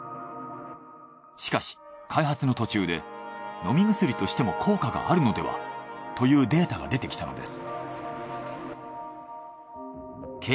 しかし開発の途中で飲み薬としても効果があるのではというデータが出てきたのです。